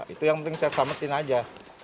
itu yang penting saya selamatin aja